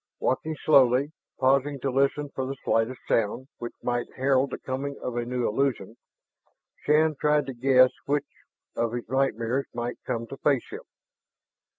Walking slowly, pausing to listen for the slightest sound which might herald the coming of a new illusion, Shann tried to guess which of his nightmares might come to face him.